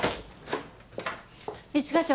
一課長。